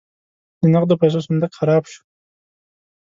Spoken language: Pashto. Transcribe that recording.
د نغدو پیسو صندوق خراب شو.